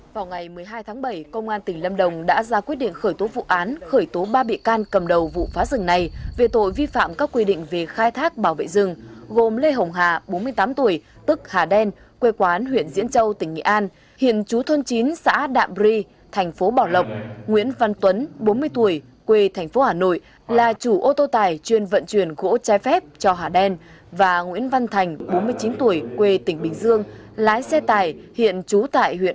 vào ngày một mươi hai tháng bảy công an tỉnh lâm đồng đã ra quyết định khởi tố vụ án khởi tố ba bị can cầm đầu vụ phá rừng này về tội vi phạm các quy định về khai thác bảo vệ rừng gồm lê hồng hà bốn mươi tám tuổi tức hà đen quê quán huyện diễn châu tỉnh nghị an hiện chú thôn chín xã đạm ri thành phố bảo lộc nguyễn văn tuấn bốn mươi tuổi quê thành phố hà nội là chủ ô tô tài chuyên vận chuyển gỗ chai phép cho hà đen